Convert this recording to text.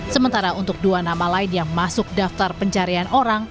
sementara untuk dua nama lain yang masuk daftar pencarian orang